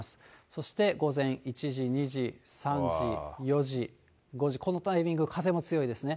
そして、午前１時、２時、３時、４時、５時、このタイミング、風も強いですね。